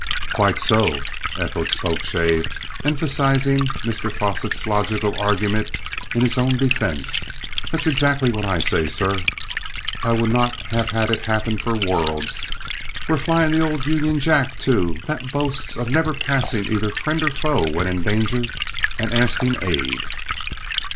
"Quite so," echoed Spokeshave, emphasising Mr Fosset's logical argument in his own defence. "That's exactly what I say, sir." "I would not have had it happen for worlds. We flying the old Union jack, too, that boasts of never passing either friend or foe when in danger and asking aid."